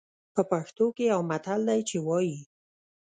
په پښتو کې يو متل دی چې وايي.